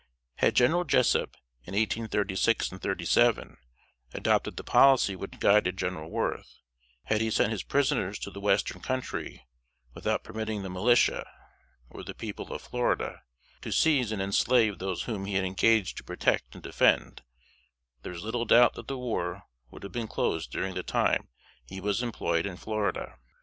Had General Jessup, in 1836 and '37, adopted the policy which guided General Worth; had he sent his prisoners to the Western Country without permitting the militia, or the people of Florida, to seize and enslave those whom he had engaged to protect and defend, there is little doubt that the war would have been closed during the time he was employed in Florida.